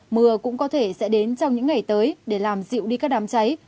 mưa cũng có thể sẽ đến trong những ngày tới để làm dịu đi các đám cháy